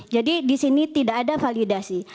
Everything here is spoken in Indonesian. di sini tidak ada validasi